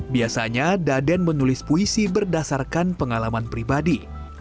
biasanya daden menulis puisi berdasarkan pengalaman pribadi